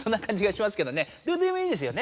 どうでもいいですよね